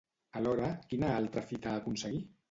Alhora, quin altra fita aconseguí?